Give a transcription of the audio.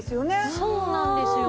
そうなんですよ。